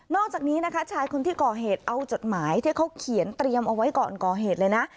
อกจากนี้นะคะชายคนที่ก่อเหตุเอาจดหมายที่เขาเขียนเตรียมเอาไว้ก่อนก่อเหตุเลยนะ